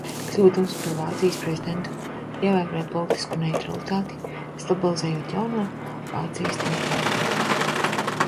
Kļūdams par Vācijas prezidentu, ievēroja politisku neitralitāti, stabilizējot jauno Vācijas demokrātiju.